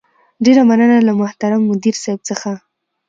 ډېره مننه له محترم مدير صيب څخه